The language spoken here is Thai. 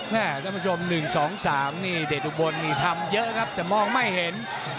ท่านผู้ชม๑๒๓นี่เดชอุบลนี่ทำเยอะครับแต่มองไม่เห็น